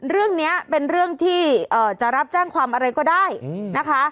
เรื่องนี้เป็นเรื่องที่จะรับแจ้งความอะไรก็ได้นะคะ